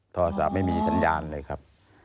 โทรศัพท์ไม่มีสัญญาณเลยครับ